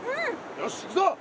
よし行くぞ！